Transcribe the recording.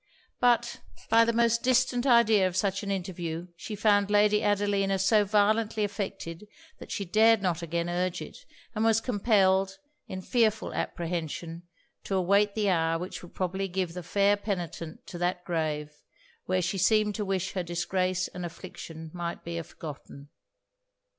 But by the most distant idea of such an interview, she found Lady Adelina so violently affected, that she dared not again urge it; and was compelled, in fearful apprehension, to await the hour which would probably give the fair penitent to that grave, where she seemed to wish her disgrace and affliction might be forgotten.